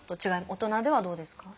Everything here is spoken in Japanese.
大人ではどうですか？